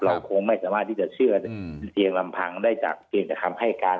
คงไม่สามารถที่จะเชื่อเพียงลำพังได้จากเพียงแต่คำให้การ